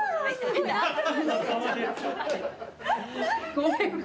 ごめん。